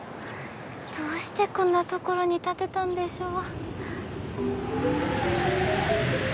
どうしてこんな所に建てたんでしょう。